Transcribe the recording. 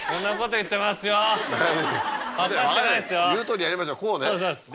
言うとおりやりましょうこうね？